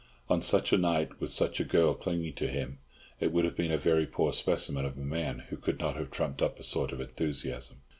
On such a night, with such a girl clinging to him, it would have been a very poor specimen of a man who could not have trumped up a sort of enthusiasm.